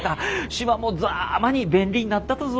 島もざぁまに便利になったとぞ。